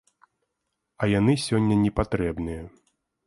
А яны сёння непатрэбныя.